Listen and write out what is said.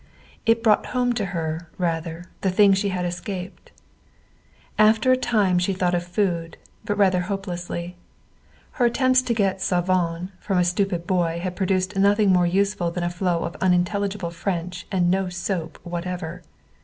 It brought home to her, rather, the thing she had escaped. After a time she thought of food, but rather hopelessly. Her attempts to get savon from a stupid boy had produced nothing more useful than a flow of unintelligible French and no soap whatever.